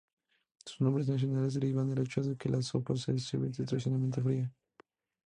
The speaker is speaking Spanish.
Sus nombres nacionales derivan del hecho de que la sopa se sirve tradicionalmente fría.